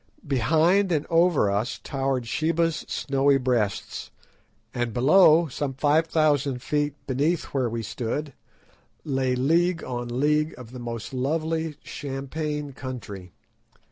Behind and over us towered Sheba's snowy Breasts, and below, some five thousand feet beneath where we stood, lay league on league of the most lovely champaign country.